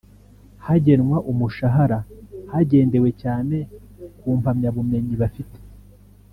hagenwa umushahara hagendewe cyane ku mpamyabumenyi bafite